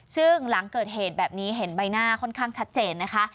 ซึ่งหลังเกิดเหตุแบบนี้เห็นใบหน้าค่อนข้างชัดเจนนะคะ